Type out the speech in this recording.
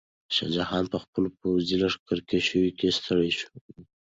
شاه جهان په خپلو پوځي لښکرکشیو کې ستړی شوی و.